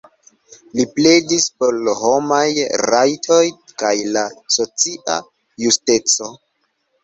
Li pledis por homaj rajtoj kaj la socia justeco.